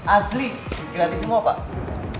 asli gratis semua pak